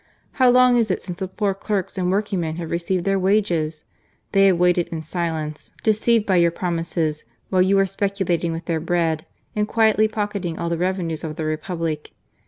How long is it since the poor clerks and working men have received their wages? They have waited in silence, deceived by your promises, while you are speculating with their bread, and quietly pocketing all the revenues of the Republic.